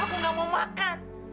aku gak mau makan